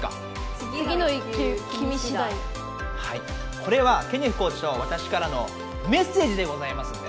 これはケネフコーチとわたしからのメッセージでございますので。